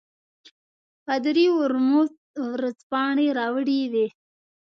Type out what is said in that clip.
پادري ورموت او ورځپاڼې راوړې وې.